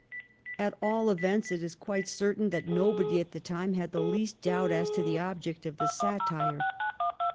At all events it is quite certain that nobody at the time had the least doubt as to the object of the satire.